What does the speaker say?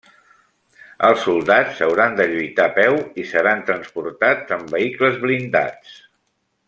Els soldats hauran de lluitar peu, i seran transportats en vehicles blindats.